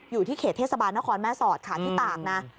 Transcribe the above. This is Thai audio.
อยู่ที่เขตเทศบาลนครแม่สอดค่ะที่ตากนะ